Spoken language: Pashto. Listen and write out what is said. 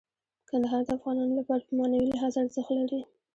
کندهار د افغانانو لپاره په معنوي لحاظ ارزښت لري.